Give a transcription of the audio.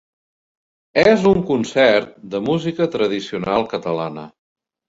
És un concert de música tradicional catalana.